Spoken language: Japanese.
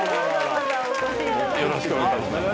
よろしくお願いします。